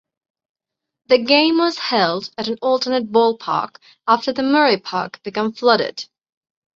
The game was held at an alternate ballpark after the Murray park became flooded.